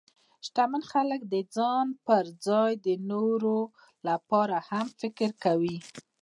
شتمن خلک د ځان پر ځای د نورو لپاره هم فکر کوي.